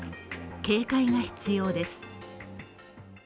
警戒が必要です。